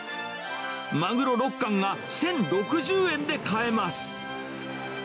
マグロ６貫が１０６０円で買えます。